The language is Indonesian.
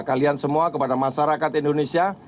kalian semua kepada masyarakat indonesia